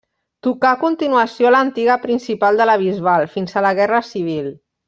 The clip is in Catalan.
Tocà, a continuació, a l'Antiga Principal de la Bisbal, fins a la Guerra Civil.